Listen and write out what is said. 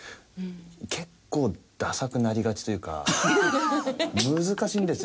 結構ダサくなりがちというか難しいんですよ